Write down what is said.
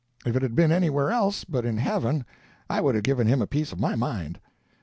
If it had been anywhere else but in heaven, I would have given him a piece of my mind.